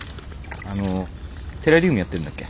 あのテラリウムやってるんだっけ？